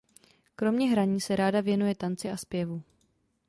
Kromě hraní se ráda věnuje tanci a zpěvu.